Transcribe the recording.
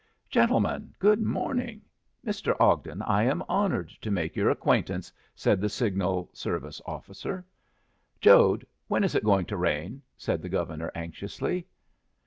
"Gentlemen, good morning. Mr. Ogden, I am honored to make your acquaintance," said the signal service officer. "Jode, when is it going to rain?" said the Governor, anxiously.